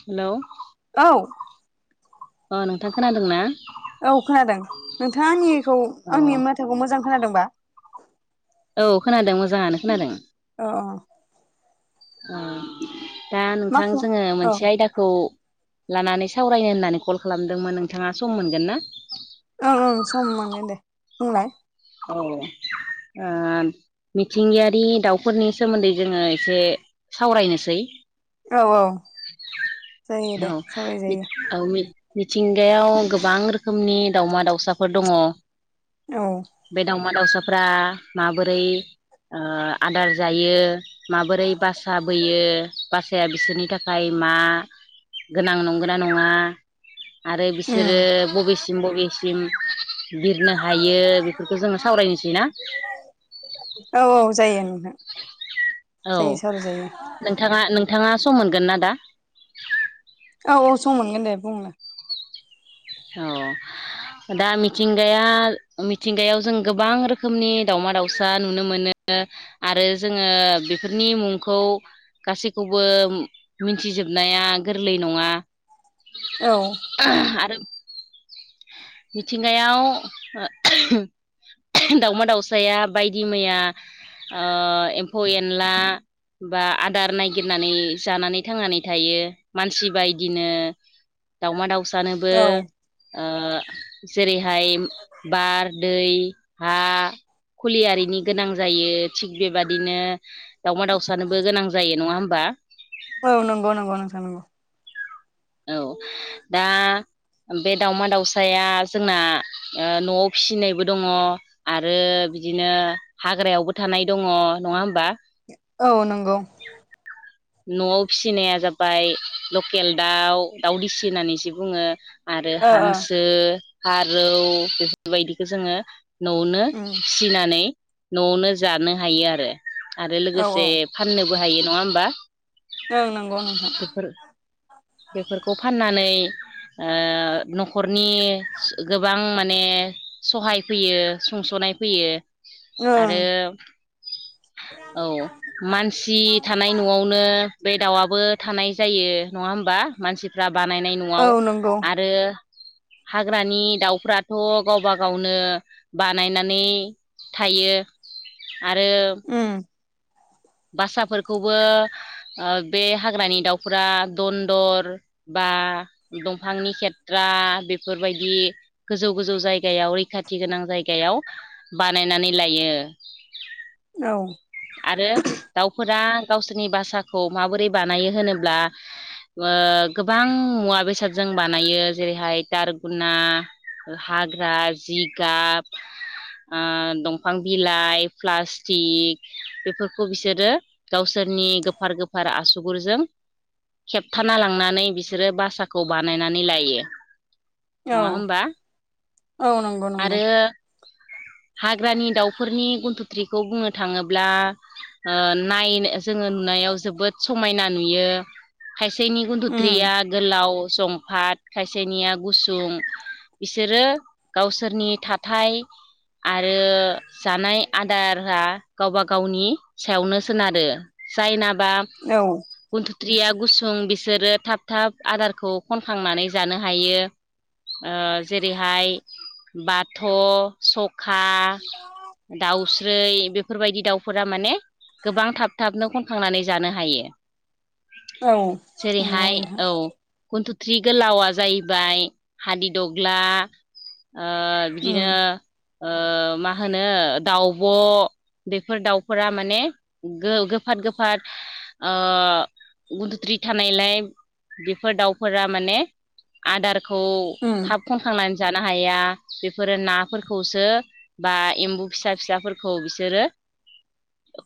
Hello औ अ नोंथां खोनादों ना औ खोनादों नोंथाङा आंनिखौ औ आंनि माथाोखौ मोजां खोनादोंबा औ खोनादों मोजाङानो खोनादों अ दा नोंथां माखौ जोङो औ मोनसे आयदाखौ लानानै सावरायनो होननानै कल खालामदोंमोन नोंथाङा सम मोनगोन ना ओं ओं सम मोनगोन दे बुंलाय औ ओ मिथिंगायारि दाउफोरनि सोमोन्दै जोङो एसे सावरायनोसै औ औ जायो औ दे सावरायजायो औ मि मिथिंगायाव गोबां रोखोमनि दाावमा दाउसाफोर दङ औ बे दाउमा दाउसाफ्रा माबोरै ओ आदार जायो माबोरै बासा बोयो बासाया बिसोरनि थाखाय मा गोनां नंगोनना नङा आरो बिसोरो उम बबेसिम बबेसिम बिरनो हायो बिफोरफोरखौ जोङो सावरायनोसै ना औ औ जायो नोंथां औ जायो सावरायजायो नोंथाङा नोंथाङा सम मोनगोन ना दा औ औ सम मोनगोन दे बुं औ दा मिथिंगाया मिथिंगायाव जों गोबां रोखोमनि दाउमा दाउसा नुनो मोनो आरो जोङो बिफोरनि मुंखौ गासैखौबो मिन्थिजोबनाया गोरलै नङा औ आरो मिथिंगायाव ओ दाउमा दाउसाया बायदि मैया ओ एम्फौ एनला बा आदार नायगिरनानै जानानै थांनानै थायो। मानसि बायदिनो दाउमा दाउसानोबो औ ओ जेरैहाय बार दै हा खुलि आरिनि गोनां जायो थिग बेबादिनो दाउमा दावउसानोबो गोनां जायो नङा होमबा? औ नंगौ नंगौ नोंथां नंगौ। औ दा बे दाउमा दाउसाया जोंना ओ न'आव फिसिनायबो दङ। आरो बिदिनो हाग्रायावबो थानाय दङ नङा होमबा? औ नंगौ। न'आव फिसिनाया जाबाय लकेल दाउ दाउदिसि होननानैसो बुङो। आरो ओ हांसो फारौ बेफोरबायदिखौ जोङो न'आवनो उम फिनानै न'आवनो जानो हायो आरो आरो औ औ लोगोसे फाननोबो हायो नङा होमबा? ओं नंगौ नोंथां। बेफोर बेफोरखौ फाननानै ओ न'खर नि गोबां माने सहाय फैयो सुंस'नाय फैयो। ओं आरो औ मानसि थानाय न'आव नों बे दाउआबो थानाय जायो नङा होमबा मानसिफ्रा बानायनाय औ न'आव नंगौ आरो हाग्रानि दाउफ्राथ' गावबा गावनो बानायनानै थायो आरो उम्म। बासाफोरखौबो ओ बे हाग्रानि दाउफोरा दन्दर बा दंफांनि सेेथ्रा बेफोरबायदि गोजौ गोजौ जायगायाव रैखाथि गोनां जायगायाव बानायनानै लायो। औ। आरो दाउफोरा गावसोरनि बासाखौ माबोरै बानायो होनोब्ला। ओ गोबां मुवा बेसाद जों बानायो जेरैहाय दारगुना हाग्रा जिगाब ओ दंफां बिलाइ प्लास्टिक बेफोरखौ बिसोरो गावसोरनि गोफार गोफार आसुगुरजों खेबथाना लांनानै बिसोरो बासाखौ बानायनानै लायो। औ नङा होमबा औ नंगौ नंगौ आरो हाग्रानि दाउफोरनि गन्थुथ्रिखौ बुंनो थाङो ब्ला ओ नायनो जोङो नुनायाव जोबोद समायना नुयो। खायसेनि उम गुन्थुथ्रिया गोलाव जंफाट खायसेनिया गुसुं बिसोरो गावसोरनि थाथाय आरो जानाय आदारा गावबा गावनि सायावनो सोनारो जायनाबा औ। गुथुथ्रिया गुसुं बिसोरो थाब थाब आदारखौ खनखांनानै जानो हायो। ओ जेरैहाय बाथ' सखा दाउस्रै बे फोरबायदि दाउफोरा माने गोबां थाब थाबनो खनखांनानै जानो हायो। औ नंगौ जेरैहाय नोंथां औ। गुन्थुथ्रि गोलावा जाहैबाय हादिदग्ला ओ बिदिनो उम ओ मा होनो दाउब' बेफोर दाउफोरा माने गो-गोफाद गोफाद ओ गुन्थुथ्रि थानायलाय बेफोर दाउफोरा माने आदारखौ उम थाब खनखांनानै जानो हाया। बेफोरो नाफोरखौसो बा एम्बु फिसा फिसाफोरखौ बिसोरो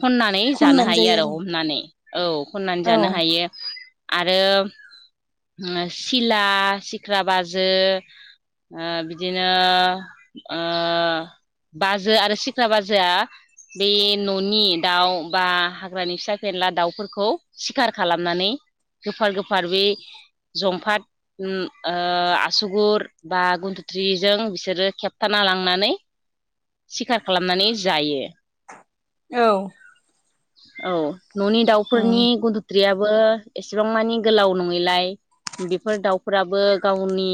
खननानै जानो खननानै हायो आरो जायो हमनानै औ खननानै जानो आरो हायो आरो सिला सिख्रा बाजो ओ बिदिनो ओ बाजो आरो सिख्रा बाजोआ बे न'नि दाउ बा हाग्रानि फिसा फेनला दाउफोरखौ सिखार खालामनानै गोफार गोफार बे जंफात आसुगुर बा गुन्थुथ्रिजों बिसोरो खेबथाना लांनानै सिखार खालामनानै जायो। औव औ न'नि दाउफोरनि उम गुन्थुन्थ्रियाबो एसेबां मानि गोलाव नंङैलाय बेफोर दाउफोराबो गावनि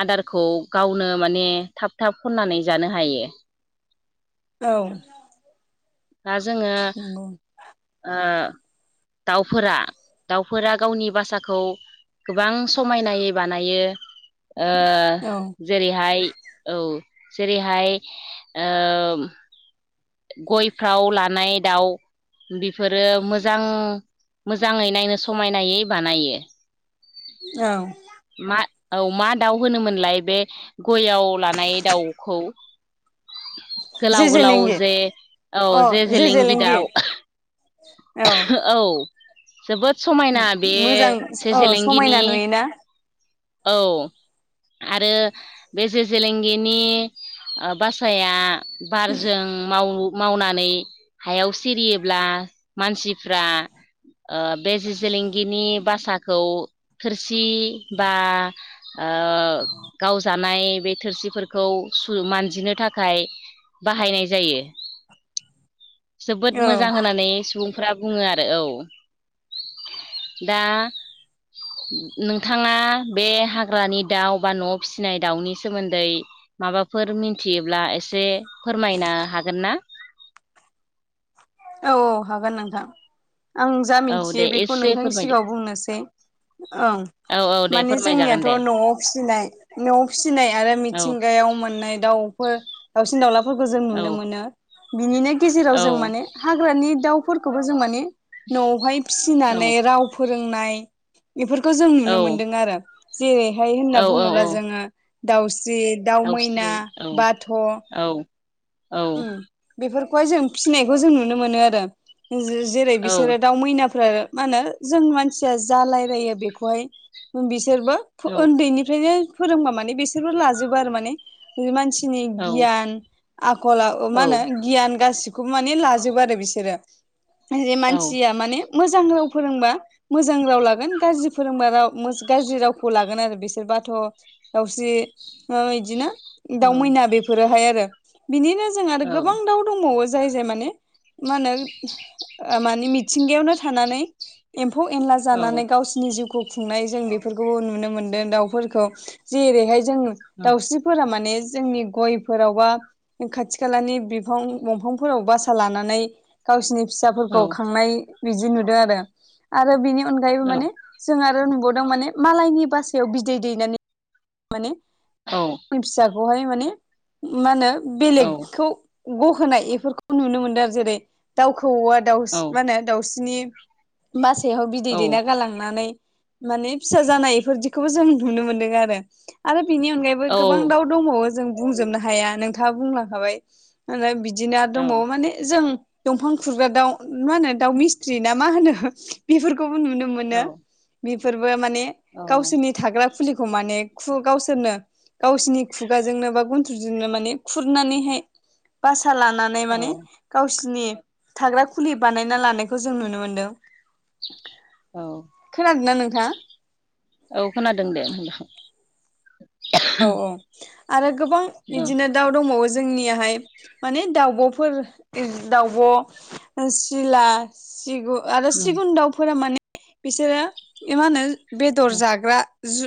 आदारखौ गावनो माने थाब थाब खननानै जानो हायो। औव दा जोङो दाउफोरा दाउफोरा गावनि बासाखौ गोबां समायनायै बानायो औ जेरैहाय औ जेरैहाय ग'यफ्राव लानाय दाउ बेफोरो मोजां मोजांङै नायनो समायनायै बानायो। औव मा औ मा दाउ होनोमोनलाय बे ग'ययाव लानाय दाउखौ? गोलााव जे गोलााव जेलेंगि जे औ जे जेलेंगि दाव औ जोबोद समायना बे मोजां जे औ समायना जेलेंगिनि- नुयोना औव आरो बे जे जेलेंगिनि बासाया बारजों माव मावनानै हायाव सिरियोब्ला मानसिफ्रा ओ बे जि जलेंगिनि बासाखौ थोरसि बा गावजानाय बे थोरसिफोरखौ मानजिनो थाखाय बाहायनाय जायो। जोबोद औ मोजां होननानै सुबुंफ्रा बुंङो आरो औव दा नोंथाङा बे हाग्रानि दाउ बा न' फिसिनाय दाउनि सोमोन्दै? माबाफोर मिथियोब्ला एसे फोरमायनो हागोन ना? औ औ हागोन नोंथां आं जा औ मिथियो दे बेखौ एसे नोंथांनि फोरमायदो सिगांङाव बुंनोसै। ओं औ औ दे माने फोरमायजागोन जोंनियाथ' दे न'आव फिसिनाय न' फिसिनाय आरो औ मिथिंगायाव मोननाय दाउफोर दाउसिन दावउलाफोरखौ जों नुनो औ मोनो बिनिनो गेजेराव औ जों माने हाग्रानि दाउफोरखौबो जों माने न'आवहाय औ फिसिनानै राव फोरोंनाय बेफोरखौ जों औ नुनो मोनदों आरो जेरैहाय होनना औ औ बुंङोब्ला जोंङो दाउस्रि- दााव मैना बाथ' औव उ बेफोरखौहाय जों फिसिनायखौ जों नुनो मोनो आरो। जेरै औ बिसोरो दाउ मैनाफोरा मा होनो जों मानसिया जा रायलायो बेखौहाय बिसोरबो औ उन्दैनिफ्रायनो फोरोंबा माने बिसोरबो लाजोबो आरो माने। बि मानसिनि औ गियान। आखल आ- मा होनो गियान गासिखौबो माने लाजोबो आरो बिसोरो। जे मानसिया माने मोजां राव फोरोंबा। मोजां राव लागोन गाज्रि फोरोंबा राव गाज्रि रावखौ लागोन आरो बिसोरबाथ' दाउस्रि मा बिदिनो दाउ मैना औ बेफोरोहाय आरो। बिनिनो जों आरो गोबां दाउ दंबावो जाय जाय माने मा होनो माने मिथिंगायावनो थानानै एम्फौ एनला जानानै गावसिनि जिउखौ खुंनाय जों बेफोरखौबो नुनो मोनदों दाउफोरखौ। जेरैहाय जों दाउस्रि फोर माने जोंनि गयफोरावबा खाथि खालानि बिफां दंफांफोराव बासा लानानै गावसिनि फिसाफोरखौ खांनाय बिदि नुदों आरो। आरो बिनि अनगायैबो माने जों आरो नुबावदों माने मालायनि बासायाव बिदै दैनानै माने औ। आंनि फिसाखौहाय माने मा होनो बेलेगखौ गहोनाय बेफोरखौ नुनो मोनदों आरो जेरै दाउ खौऔआ दाउस्रि मा होनो दाउस्रिनि बासायाव बिदै दैना गालांनानै माने फिसा जानाय इफोरदिखौबो जों नुनो मोनदों आरो। आरो बेनि अनगायैबो गोबां द दंबावो जों बुंजोबनो हाया नोंथाङा बुंलांखाबाय। बिदिनो दंबावो माने जों दंफां खुरग्रा दाउ मा होनो दाउ मिस्थ्रि ना मा होनो बेफोरखौबो नुनो मोनो। मोन बेफोरबो माने गावसोरनि थाग्रा खुलिखौ माने गावसोरनो गावसिोरनि खुगाजोंनो बा गन्थुरजोंनो माने खुरनानैहाय बासा लानानै औ माने गावसिोरनि थाग्रा खुलि बानायना लानायखौ जों नुनो मोनदों। औ खोनादोंना नोंथां। औ खोनादों दे। औ औ आरो गोबां बिदिनो दाउ दंबावो जोंनियाहाय माने दाउब'फोर दाउब' सिला सिगुन आरो सिगुन दाउफोरा माने बिसोरो मा होनो बेदर जाग्रा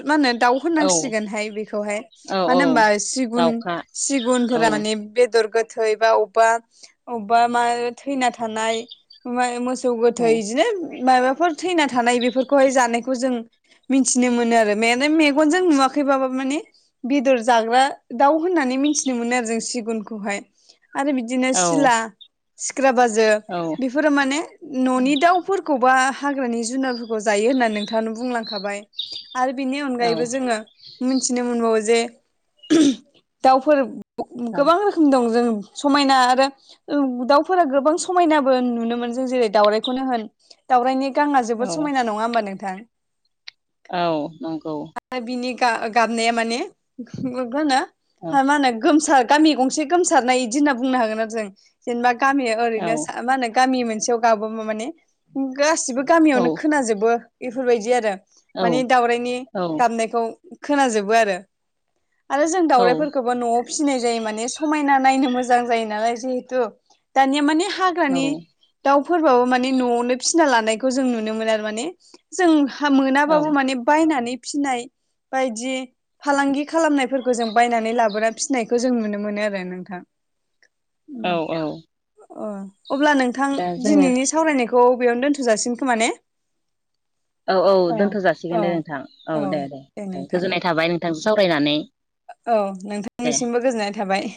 मा होनो दाउ औ होननांसिगोनहाय बे मानो औ औ होनबा सिगुन दाउखा औ सिगुनफोरा माने बेदर गोथै, बा अबेबा अबेबा मा थैना थानाय, मोसौ औ गोथै, बिदिनो माबाफोर थैना थानाय बेफोरखौहाय जानायखौ जों मिथिनो मोनो आरो बे मेगनजों नुवाखैबाबो माने बेदर जाग्रा दाउ होननानै मिथिनो मोनो आरो जों सिगुनखौहाय आरो बिदि बिदिनो औ सिला सिख्रा बाजो औ बेफोरो माने न'नि दाउ सोरखौबा हाग्रानि जुनारफोरखौ जायो होननानै नोंथाङनो बुंलांखाबाय। आरो बेनि औ अनगायैबो जोङो मिथिनो मोनबावो जे दाउफोर गोबां रोख दं जों समायना आरो दाउफोरा गोबां समायनाबो नुनो मोन जों जेरै दाावराइखौनो होन दाावरायनि गां जोबोद औ समायना नङा होमबा नोंथां। औ नंगौ। बिनि गाबनाया माने मा औ होनो गोमसार गामि गंसे गोमसारनाय बिदि होनना बुंनो हागोन आरो जों जेनेबा गामिया औ ओरैनो मा होनो गामि मोनसेयाव गाबोब माने गासिबो औ गामियावनो खोनाजोबो बेफोरबायदि आरो। औ माने दाउरायनि गाबनायखौ खोनाजोबो आरो। आरो जों औ दाउरायफोरखौ न'आव फिसिनाय जायो माने समायना नायनो मोजां जायो नालाय। जिहेतु दानिया माने हाग्रानि दाउफोरबाबो माने न'आवनो फिसिना लानायखौ जों नुनो मोनो आरो माने जोंहा औ मोनाबाबो माने बायनानै फिनाय बायदि। फालांगि खालामनायफोरखौ जों बायनानै लाबोना फिसिनायखौ जों नुनो मोनो आरो नोंथां। औ औ अ अब्ला नोंथां दा जोङो दिनैनि सावरायनायखौ बेयावनो दोनथ'जासिन खोमा ने औ औ दोनथ' जासिगोन औ दे नोंथां औ दे दे दे गोजोननाय थाबाय नोंथांजों सावरायनानै। औ दे नोंथांनिसिमबो गोजोननाय थाबाय।